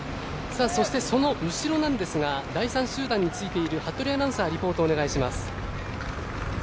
そして、その後ろなんですが第３集団についている服部アナウンサーリポート、お願いします。